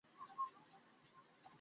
মা যখন রাগ করে তখন সন্তানও তাই করে।